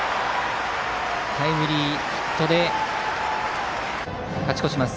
タイムリーヒットで勝ち越します。